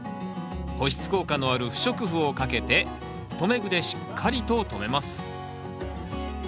保湿効果のある不織布をかけて留め具でしっかりと留めます。